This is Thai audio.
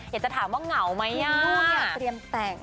อยากจะถามว่าเหงาไหม